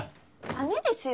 ダメですよ。